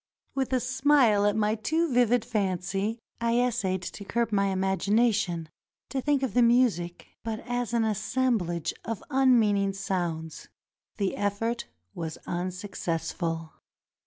With a smile at my too vivid fancy, I essayed to curb my imagination, to think of the music but as an assem blage of unmeaning sounds. The effort was unsuccessful.